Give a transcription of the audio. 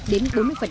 hai mươi đến bốn mươi